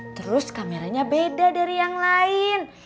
terus kameranya beda dari yang lain